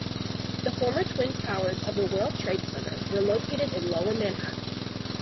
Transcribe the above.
The former Twin Towers of the World Trade Center were located in Lower Manhattan.